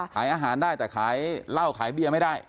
ขายอาหารได้แต่ขายเหล้าขายเบียร์ไม่ได้